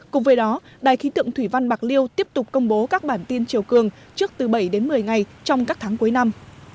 cùng với đó đài khí tượng thủy văn bạc liêu tiếp tục công bố các bản tin chiều cường trước từ bảy đến một mươi ngày trong các tháng cuối năm